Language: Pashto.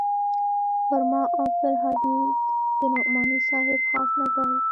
پر ما او عبدالهادي د نعماني صاحب خاص نظر و.